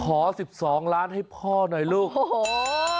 ขอ๑๒ล้านให้พ่อหน่อยลูกโอ้โห